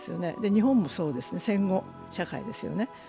日本もそうですね、戦後社会ですよね。